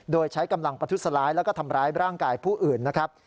โดยใช้กำลังประทุษร้ายแล้วก็ทำร้ายร่างกายผู้อื่นนะครับ